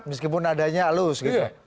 meskipun nadanya halus gitu